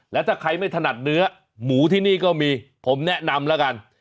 แล้วถ้าใครไม่ถนัดเนื้อหมูที่นี่ก็มีผมแนะนำแล้วกัน